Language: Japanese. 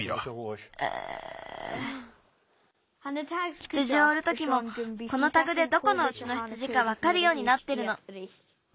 羊をうるときもこのタグでどこのうちの羊かわかるようになってるの。